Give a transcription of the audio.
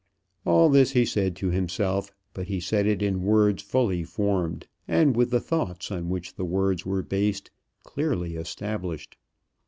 All this he said to himself; but he said it in words fully formed, and with the thoughts, on which the words were based, clearly established.